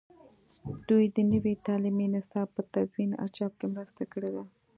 دوی د نوي تعلیمي نصاب په تدوین او چاپ کې مرسته کړې ده.